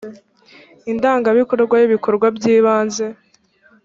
indangabikorwa y’ibikorwa by’ibanze